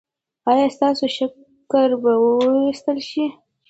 ایا ستاسو شکر به وویستل شي؟